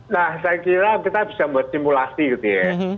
nah saya kira kita bisa membuat simulasi gitu ya